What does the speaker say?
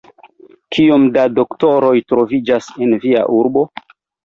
Kiom da doktoroj troviĝas en via urbo?